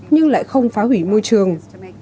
nhưng lại không phá hủy môi trường